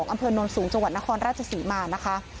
อำเภอนท์นอนสูงจนครราชสีมานะคะ